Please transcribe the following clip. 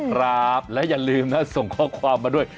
ครับและอย่าลืมนะส่งข้อความมาด้วย